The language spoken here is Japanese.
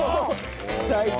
最高！